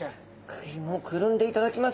くるんでいただきます。